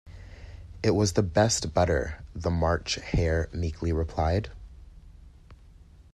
‘It was the best butter,’ the March Hare meekly replied.